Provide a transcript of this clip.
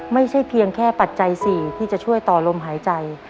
ไม่ใช่เพียงแค่ปัจจัย๔ที่จะช่วยต่อลมหายใจ